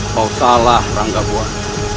kau salah ranggabuan